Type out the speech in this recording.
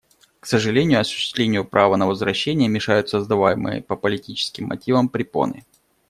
К сожалению, осуществлению права на возвращение мешают создаваемые по политическим мотивам препоны.